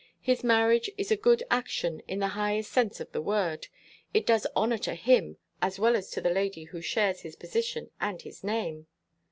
His marriage is a good action, in the highest sense of the word. It does honor to him, as well as to the lady who shares his position and his name."